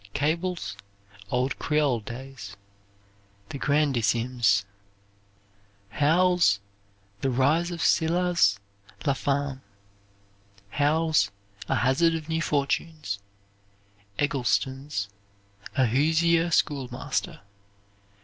Cable's "Old Creole Days," "The Grandissimes." Howells' "The Rise of Silas Lapham." Howells' "A Hazard of New Fortunes." Eggleston's "A Hoosier Schoolmaster."